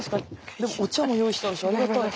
でもお茶も用意してあるしありがたい。